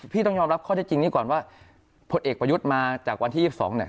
ต้องยอมรับข้อที่จริงนี้ก่อนว่าผลเอกประยุทธ์มาจากวันที่๒๒เนี่ย